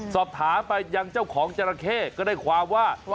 สอบถามไปยังเจ้าของจราเข้ก็ได้ความว่า